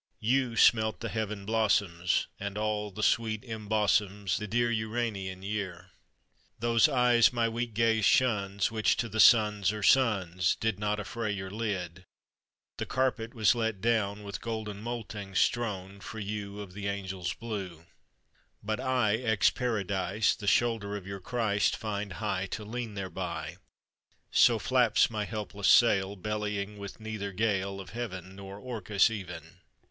You smelt the Heaven blossoms, And all the sweet embosoms The dear Uranian year. Those Eyes my weak gaze shuns, Which to the suns are Suns, Did Not affray your lid. The carpet was let down (With golden moultings strown) For you Of the angels' blue. But I, ex Paradised, The shoulder of your Christ Find high To lean thereby. So flaps my helpless sail, Bellying with neither gale, Of Heaven Nor Orcus even.